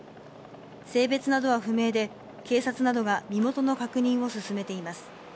性別などは不明で、警察などが身元の確認を進めています。